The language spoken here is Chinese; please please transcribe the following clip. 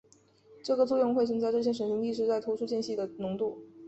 这个作用会增加这些神经递质在突触间隙的浓度。